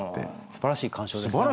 すばらしい鑑賞でしたね。